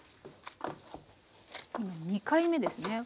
２回目ですね。